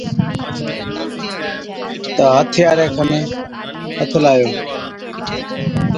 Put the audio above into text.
تہ ھٿياري کي ھَٿ لايو